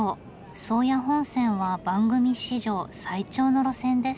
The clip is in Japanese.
宗谷本線は番組史上最長の路線です。